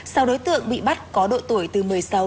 sau đối tượng bị bắt có đội tuổi từ một mươi sáu đồng